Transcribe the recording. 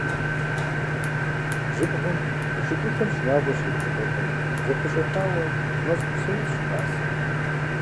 Жьыбгъэм щӀыгулъым шынагъуэ щрит щӀыпӀэхэм зэпэщӀэхаурэ мэз кусэ удз щыхасэ.